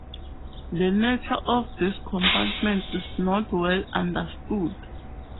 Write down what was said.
The nature of this compartment is not well understood.